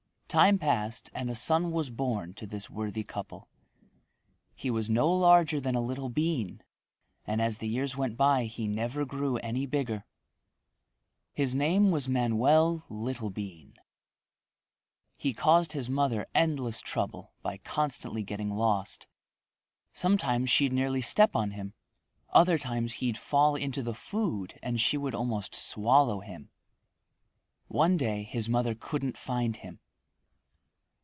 Time passed and a son was born to this worthy couple. He was no larger than a little bean and as the years went by he never grew any bigger. His name was Manoel Littlebean. He caused his mother endless trouble by constantly getting lost. Sometimes she'd nearly step on him. Other times he'd fall into the food and she would almost swallow him. One day his mother couldn't find him.